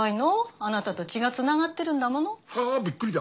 あなたと血がつながってるんだもの。はビックリだ。